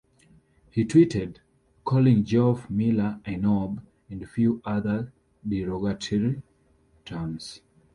He tweeted, calling Geoff Miller a 'knob' and few other derogatory terms.